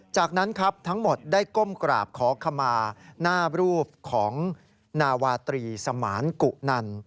จากนั้นครับทั้งหมดได้ก้มกราบขอขมาหน้ารูปของนาวาตรีสมานกุนัน